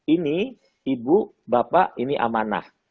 ini ibu bapak ini amanah